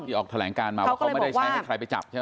ที่ออกแถลงการมาว่าเขาก็ไม่ได้ใช้ให้ใครไปจับ